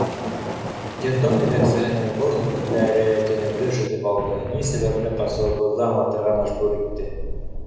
Детдом етәксеһенең был һүҙҙәре тәнемде өшөтөп алды, ни сәбәпле ҡасыуыбыҙҙы аңлатырға мәжбүр итте.